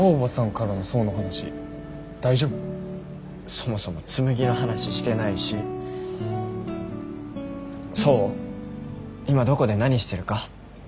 そもそも紬の話してないし想今どこで何してるか知らない？